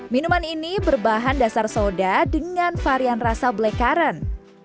minuman ini berbahan dasar soda dengan varian rasa black current